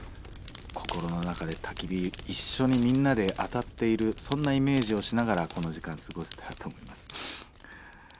心の中でたき火一緒にみんなであたっているそんなイメージをしながらこの時間過ごせたらと思います。